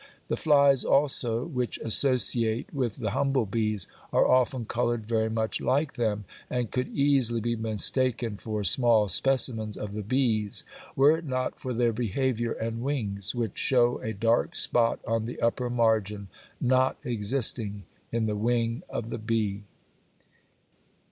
The flies also which associate with the humble bees are often coloured very much like them, and could easily be mistaken for small specimens of the bees were it not for their behaviour and wings, which show a dark spot on the upper margin, not existing in the wing of the bee.